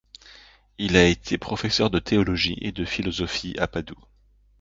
Il a été professeur de théologie et de philosophie à Padoue.